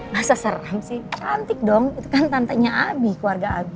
masa serem sih cantik dong itu kan tantenya abi keluarga abi